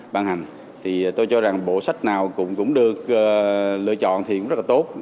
ban hành thì tôi cho rằng bộ sách nào cũng được lựa chọn thì cũng rất là tốt